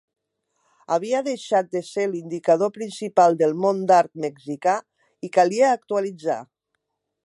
Havia deixat de ser l'indicador principal del món d'art mexicà i calia actualitzar.